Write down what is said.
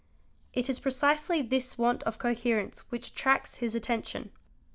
It is precisely this want of coherence which attracts his attention.